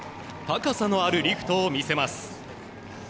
高さのあるリフトを見せます。